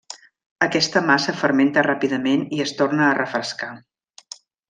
Aquesta massa fermenta ràpidament i es torna a refrescar.